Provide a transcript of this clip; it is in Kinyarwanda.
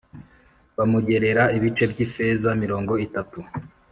Bamugerera ibice by’ifeza mirongo itatu